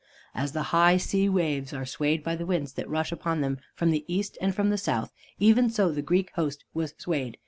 As the high sea waves are swayed by the winds that rush upon them from the east and from the south, even so the Greek host was swayed.